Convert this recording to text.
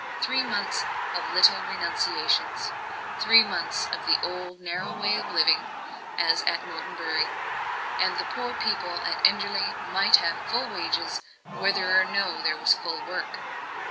Three months of little renunciations three months of the old narrow way of living, as at Norton Bury and the poor people at Enderley might have full wages, whether or no there was full work.